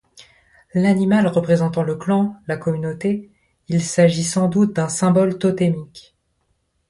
L'animal représentant le clan, la communauté, il s'agit sans doute d'un symbole totémique.